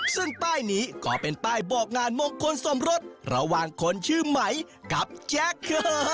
ซึ่งป้ายนี้ก็เป็นป้ายบอกงานมงคลสมรสระหว่างคนชื่อไหมกับแจ๊ค